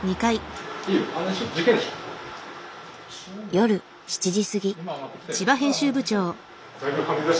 夜７時過ぎ。